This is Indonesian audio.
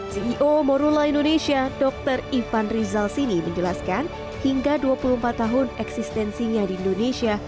ceo morula indonesia dr ivan rizal sini menjelaskan hingga dua puluh empat tahun eksistensinya di indonesia